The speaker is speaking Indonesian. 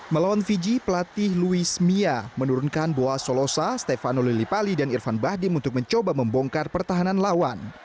melawan fiji pelatih louis mia menurunkan boa solosa stefano lillipali dan irfan bahdim untuk mencoba membongkar pertahanan lawan